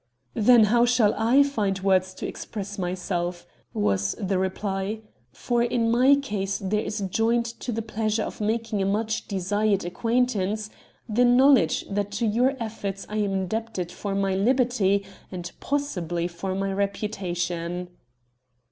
"Then how shall I find words to express myself?" was the reply, "for in my case there is joined to the pleasure of making a much desired acquaintance the knowledge that to your efforts I am indebted for my liberty and possibly for my reputation."